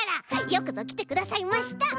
よくぞきてくださいました！